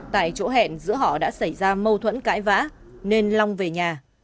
tại chỗ hẹn giữa họ đã xảy ra mâu thuẫn cãi vã nên long về nhà